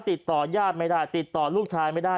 ติดต่อญาติไม่ได้ติดต่อลูกชายไม่ได้